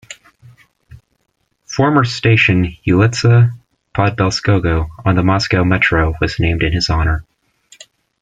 Former station Ulitsa Podbelskogo on the Moscow Metro was named in his honour.